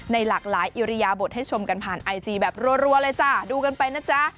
หลากหลายอิริยบทให้ชมกันผ่านไอจีแบบรัวเลยจ้ะดูกันไปนะจ๊ะ